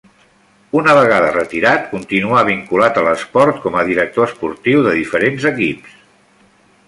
Una vegada retirat continuà vinculat a l'esport com a director esportiu de diferents equips.